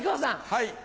はい。